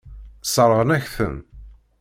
Sseṛɣen-ak-ten.